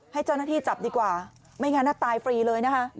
ให้เจ้าหน้าที่จับดีกว่าไม่งั้นตายฟรีเลยนะคะ